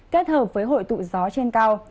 kết hợp với hội tụ gió trên cao